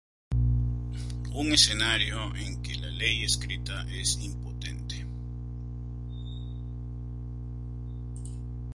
Un escenario en que la ley escrita es impotente.